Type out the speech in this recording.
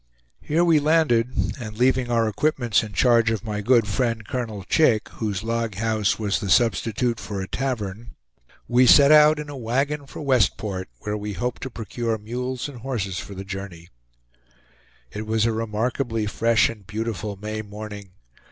Here we landed and leaving our equipments in charge of my good friend Colonel Chick, whose log house was the substitute for a tavern, we set out in a wagon for Westport, where we hoped to procure mules and horses for the journey. It was a remarkably fresh and beautiful May morning.